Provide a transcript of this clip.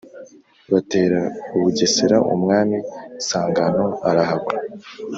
batera u bugesera umwami sangano arahagwa.